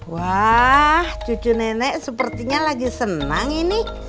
wah cucu nenek sepertinya lagi senang ini